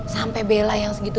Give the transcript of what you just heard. sampai bella yang segitu